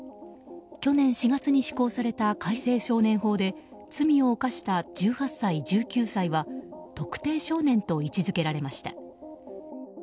去年４月に施行された改正少年法で罪を犯した１８歳、１９歳は特定少年と位置付けられました。